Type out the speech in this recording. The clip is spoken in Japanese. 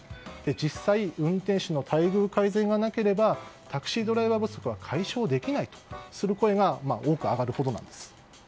実際運転手の待遇改善がなければタクシードライバー不足は解消できないとする声が多く上がるほどなんです。